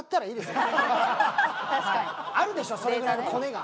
あるでしょそれぐらいのコネが。